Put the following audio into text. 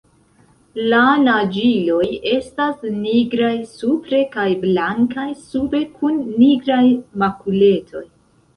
La naĝiloj estas nigraj supre kaj blankaj sube kun nigraj makuletoj.